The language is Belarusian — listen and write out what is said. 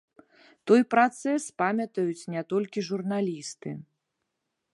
Той працэс памятаюць не толькі журналісты.